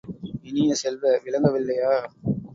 இனிய செல்வ, விளங்க வில்லையா?